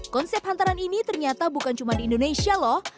konsep hantaran ini ternyata bukan cuma di indonesia loh